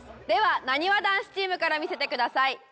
ではなにわ男子チームから見せてください。